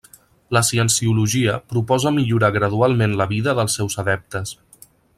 La Cienciologia proposa millorar gradualment la vida dels seus adeptes.